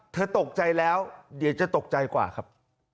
ตกใจแล้วเดี๋ยวจะตกใจกว่าครับ